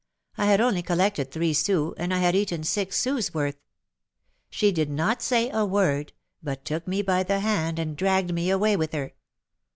I had only collected three sous, and I had eaten six sous' worth. She did not say a word, but took me by the hand and dragged me away with her.